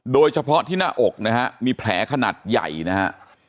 โดยเฉพาะที่หน้าอกนะฮะมีแผลขนาดใหญ่นะฮะ